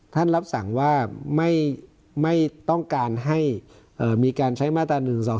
ท่านรับสั่งว่าไม่ไม่ต้องการให้เอ่อมีการใช้มาตราหนึ่งสอง